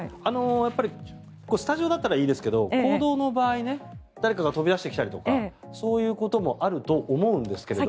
スタジオだったらいいですけど公道の場合誰かが飛び出してきたりとかそういうこともあると思うんですけども。